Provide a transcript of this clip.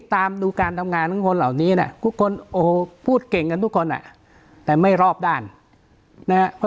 ตามดูการทำงานของคนเหล่านี้นะทุกคนโอ้โหพูดเก่งกันทุกคนอ่ะแต่ไม่รอบด้านนะฮะ